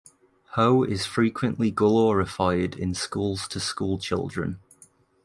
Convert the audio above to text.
Ho is frequently glorified in schools to schoolchildren.